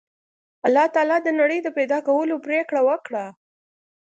الله تعالی د نړۍ د پیدا کولو پرېکړه وکړه